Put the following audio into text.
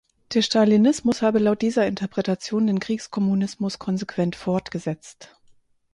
Der Stalinismus habe laut dieser Interpretation den Kriegskommunismus konsequent fortgesetzt.